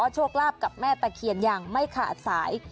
โชคลาภกับแม่ตะเคียนอย่างไม่ขาดสาย